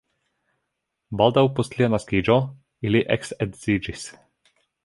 Baldaŭ post lia naskiĝo ili eksedziĝis.